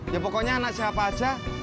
ya pokoknya anak siapa aja